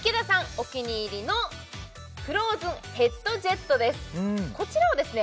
お気に入りのフローズンヘッドジェットですこちらはですね